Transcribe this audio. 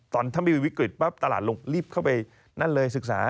ตอนถ้าไม่มีวิกฤตปั๊บตลาดลงรีบเข้าไปนั่นเลยศึกษา